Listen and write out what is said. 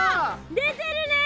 出てるね。